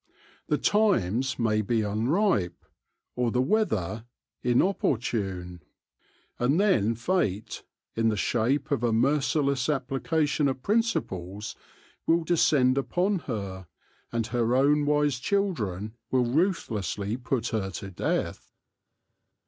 The times may be unripe, or the weather inopportune. And then Fate, in the shape of a merciless application of principles, will descend upon her, and her own wise children will ruthlessly put her to death.